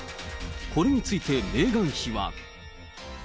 これについてメーガン妃は。